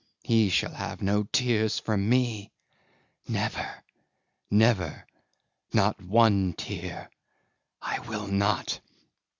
He shall have no tears from me. Never, never. Not one tear. I will not!